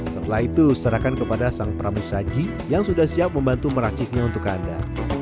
setelah itu serahkan kepada sang pramu saji yang sudah siap membantu meraciknya untuk anda